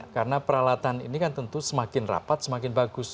karena peralatan ini kan tentu semakin rapat semakin bagus